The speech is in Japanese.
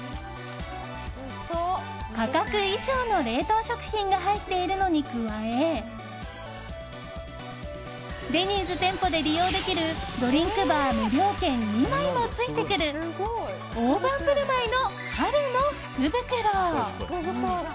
価格以上の冷凍食品が入っているのに加えデニーズ店舗で利用できるドリンクバー無料券２枚もついてくる大盤振る舞いの春の福袋。